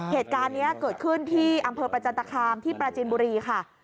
เหตุการณ์นี้เกิดขึ้นที่อำเภอประจันตคามที่ปราจินบุรีค่ะ